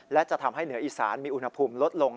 และจะทำให้เหนืออีสานมีอุณหภูมิลดลง